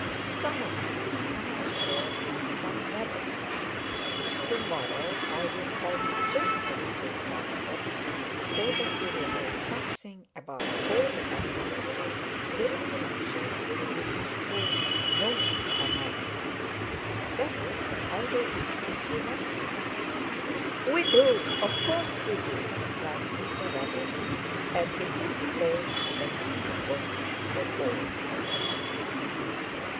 Some of these come on shore and some never do. To morrow I will tell you just a little about them, so that you will know something about all the animals of this great country which is called North America. That is, I will if you want me to." "We do! Of course we do!" cried Peter Rabbit, and it is plain that he spoke for all.